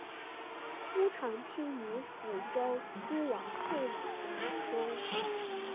朱常清与福州诸王退往广州。